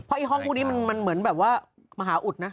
เพราะอีกห้องพวกนี้มันเหมือนว่ามหาอุทธิ์นะ